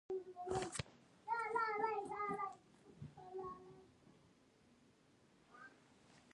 ایا زه پیاده تګ کولی شم؟